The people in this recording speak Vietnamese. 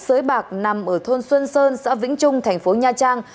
sới bạc nằm ở thôn xuân sơn xã vĩnh trung thành phố nha trang